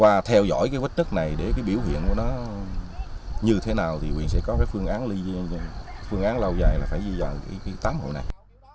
và theo dõi cái vết nứt này để cái biểu hiện của nó như thế nào thì huyện sẽ có cái phương án lâu dài là phải di rời cái tám hộ này